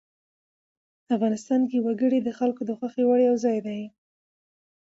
افغانستان کې وګړي د خلکو د خوښې وړ یو ځای دی.